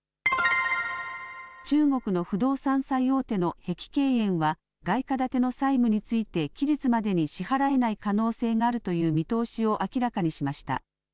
中国の不動産最大手の碧桂園は外貨建ての債務について、期日までに支払えない可能性があるという見通しを明らかにしました。